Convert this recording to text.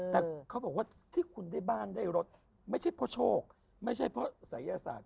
แต่เขาบอกว่าที่คุณได้บ้านได้รถไม่ใช่เพราะโชคไม่ใช่เพราะศัยศาสตร์